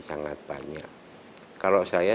sangat banyak kalau saya